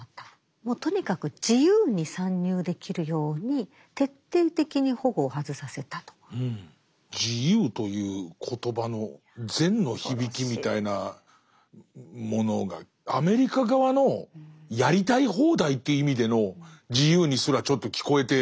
もうとにかく「自由」という言葉の善の響きみたいなものがアメリカ側のやりたい放題という意味での自由にすらちょっと聞こえてきますね。